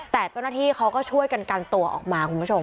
แต่เจ้าหน้าที่เขาก็ช่วยกันกันตัวออกมาคุณผู้ชม